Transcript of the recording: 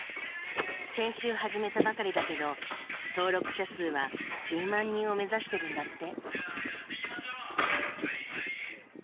先週始めたばかりだけど登録者数は１０万人を目指してるんだって。